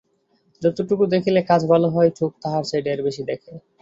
যতটুকু দেখিলে কাজ ভালো হয় চোখ তাহার চেয়ে ঢের বেশি দেখে।